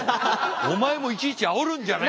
お前もいちいちあおるんじゃない。